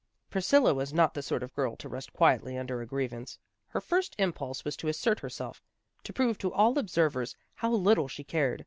Priscilla was not the sort of girl to rest quietly under a grievance. Her first impulse was to assert herself, to prove to all observers how little she cared.